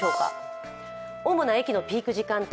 主な駅のピーク時間帯。